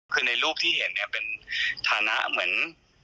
คือในรูปที่เห็นเนี่ยเป็นฐานะเหมือน